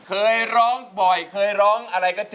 เพลงนี้สี่หมื่นบาทเอามาดูกันนะครับ